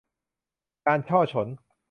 การฉ้อฉล